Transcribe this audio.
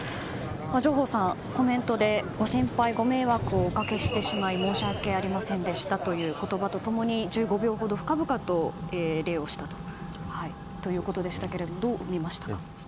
上法さん、コメントでご心配ご迷惑をおかけしてしまい申し訳ありませんでしたという言葉と共に１５秒ほど深々と礼をしたということでしたけれどもどう見ましたか？